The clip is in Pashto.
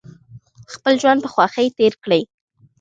خپل ژوند په خوښۍ تیر کړئ